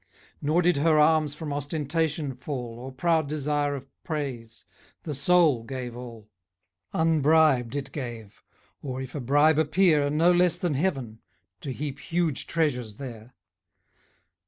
Nor did her alms from ostentation fall, Or proud desire of praise the soul gave all: Unbribed it gave; or, if a bribe appear, No less than heaven, to heap huge treasures there.